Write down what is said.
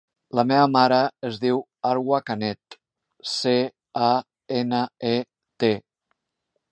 La meva mare es diu Arwa Canet: ce, a, ena, e, te.